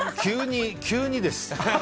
急にです。